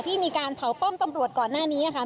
ที่มีการเผาป้อมตำรวจก่อนหน้านี้ค่ะ